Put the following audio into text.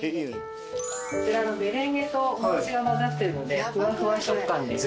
こちらメレンゲとお餅が混ざってるのでフワフワ食感です